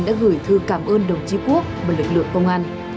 đã gửi thư cảm ơn đồng chí quốc và lực lượng công an